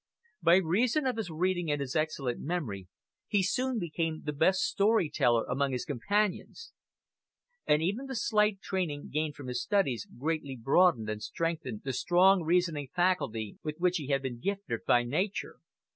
By reason of his reading and his excellent memory, he soon became the best story teller among his companions; and even the slight training gained from his studies greatly broadened and strengthened the strong reasoning faculty with which he had been gifted by nature.